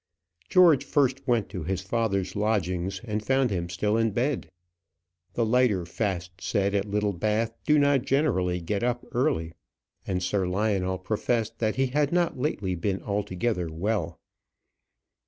George first went to his father's lodgings, and found him still in bed. The lighter fast set at Littlebath do not generally get up early, and Sir Lionel professed that he had not lately been altogether well.